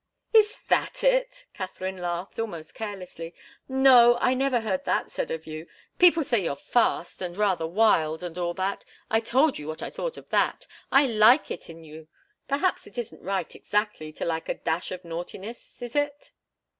"Is that it?" Katharine laughed, almost carelessly. "No, I never heard that said of you. People say you're fast, and rather wild and all that. I told you what I thought of that I like it in you. Perhaps it isn't right, exactly, to like a dash of naughtiness is it?"